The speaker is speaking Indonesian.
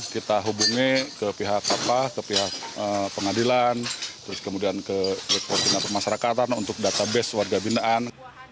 kita hubungi ke pihak pengadilan kemudian ke pemerintah pemasyarakatan untuk database warga bindaan